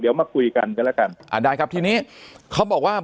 เดี๋ยวมาคุยกันกันแล้วกันอ่าได้ครับทีนี้เขาบอกว่า